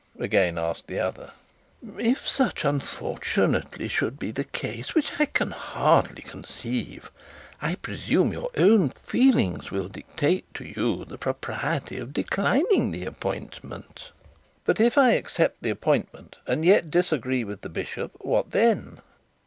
again asked the other. 'If such unfortunately should be the case, which I can hardly conceive, I presume your own feelings will dictate to you the propriety of declining the appointment.' 'But if I accept the appointment, and yet disagree with the bishop, what then?'